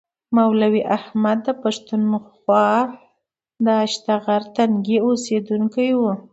مولوي احمد د پښتونخوا د هشتنغر تنګي اوسیدونکی و.